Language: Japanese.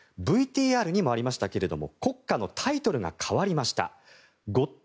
ＶＴＲにもありましたけども国歌のタイトルが変わりました。